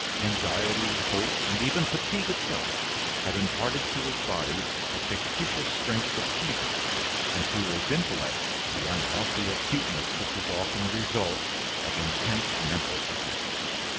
Anxiety, hope, and even fatigue itself, had imparted to his body the fictitious strength of fever, and to his intellect the unhealthy acuteness which is so often the result of intense mental effort.